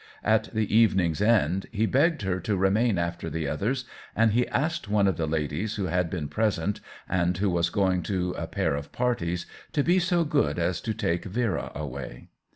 At the evening's end he begged her to remain after the others, and he asked one of the ladies who had been present, and who was going to a pair of parties, to be so good as to take Vera away.